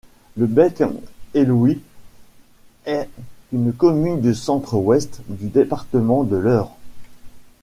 Le Bec-Hellouin est une commune du Centre-Ouest du département de l'Eure.